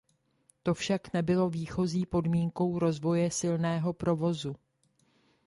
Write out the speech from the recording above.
To však nebylo výchozí podmínkou rozvoje silného provozu.